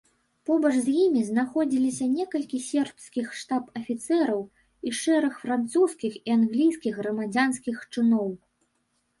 Побач з імі знаходзіліся некалькі сербскіх штаб-афіцэраў і шэраг французскіх і англійскіх грамадзянскіх чыноў.